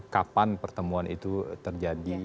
kapan pertemuan itu terjadi